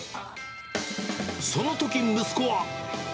そのとき、息子は。